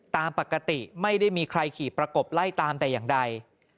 ตามปกติไม่ได้มีใครขี่ประกบไล่ตามแต่อย่างใด